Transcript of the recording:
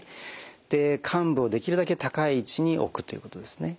で患部をできるだけ高い位置に置くということですね。